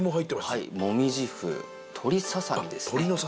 もみじ麩鶏ささみですね